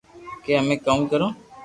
ڪي امي ڪاو ڪرو